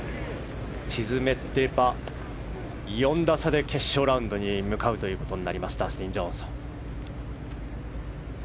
沈めれば４打差で決勝ラウンドに向かうことになるダスティン・ジョンソン。